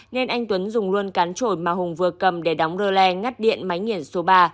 nên anh tuấn dùng luôn cán trồi mà hùng vừa cầm để đóng rơ le ngắt điện máy nghiền số ba